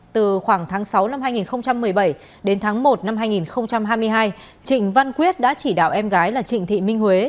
từ khoảng tháng sáu năm hai nghìn một mươi bảy đến tháng một năm hai nghìn hai mươi hai trịnh văn quyết đã chỉ đạo em gái là trịnh thị minh huế